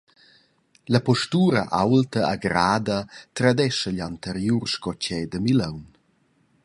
La postura aulta e grada tradescha igl anteriur scotgè da Milaun.